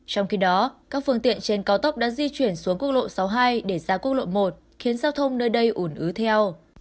trong khi đó các phương tiện trên cao tốc đã di chuyển xuống quốc lộ sáu mươi hai để ra quốc lộ một khiến giao thông nơi đây ủn ứ theo